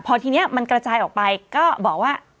พอทีเนี่ยมันกระจายไปก็บอกว่า